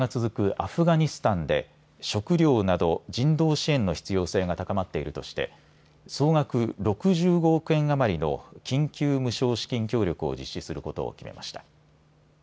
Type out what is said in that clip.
アフガニスタンで食料など人道支援の必要性が高まっているとして総額６５億円余りの緊急無償資金協力を実施することを決めました。